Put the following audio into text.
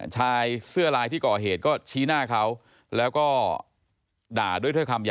ชายเสื้อลายที่เกาะเหตุก็ชี้หน้าเขา